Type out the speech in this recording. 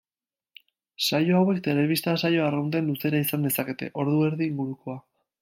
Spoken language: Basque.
Saio hauek telebista-saio arrunten luzera izan dezakete, ordu erdi ingurukoa.